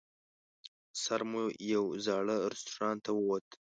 سر مو یوه زاړه رستورانت ته ووت.